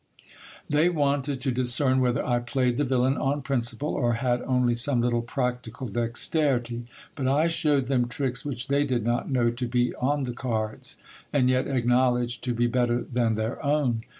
They wanted to discern whether I played the villain on principle, or had only some little practical dexterity ; but I shewed them tricks which they did not know to be on the cards, and yet acknowledged to be better than their own.